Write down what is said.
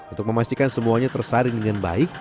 untuk memastikan semuanya tersaring dengan baik